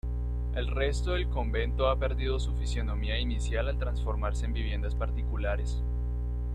El resto del convento ha perdido su fisionomía inicial al transformarse en viviendas particulares.